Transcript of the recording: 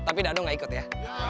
tapi dadu gak ikut ya